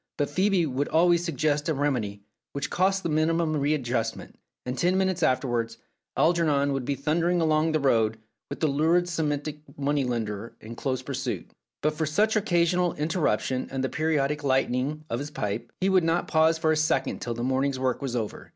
But Phcebe could always suggest a remedy which cost the minimum of readjustment, and ten minutes afterwards Algernon would be thundering along the road with the lurid Semitic moneylender in close pur 289 Philip's Safety Razor suit. But for such occasional interruption and the periodical lighting of his pipe he would not pause for a second till the morning's work was over.